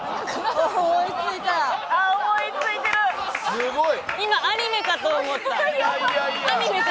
すごい！